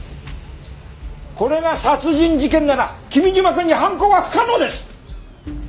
これが殺人事件なら君嶋くんに犯行は不可能です！